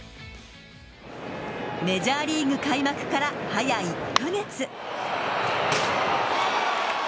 メジャーリーグ開幕から早１カ月。